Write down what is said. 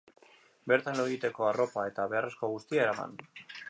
Bertan lo egiteko arropa eta beharrezko guztia eraman.